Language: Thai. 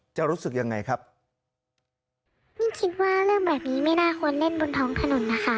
รู้สึกยังไงครับยิ่งคิดว่าเรื่องแบบนี้ไม่น่าควรเล่นบนท้องถนนนะคะ